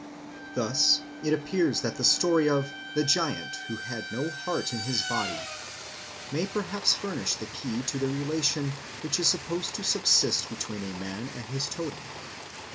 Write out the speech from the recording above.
Thus it appears that the story of "The giant who had no heart in his body" may perhaps furnish the key to the relation which is supposed to subsist between a man and his totem.